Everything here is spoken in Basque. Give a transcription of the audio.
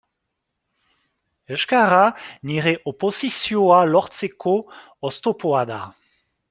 Euskara nire oposizioa lortzeko oztopoa da.